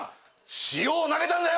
塩を投げたんだよ！